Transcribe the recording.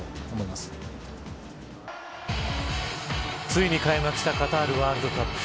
ついに開幕したカタールワールドカップ。